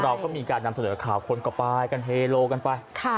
เราก็มีการนำเสนอข่าวคนก็ไปกันเฮโลกันไป